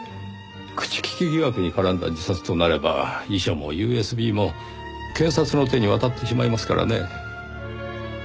口利き疑惑に絡んだ自殺となれば遺書もＵＳＢも検察の手に渡ってしまいますからね。